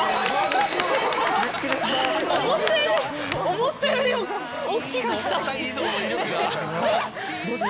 思ったよりも大きかった。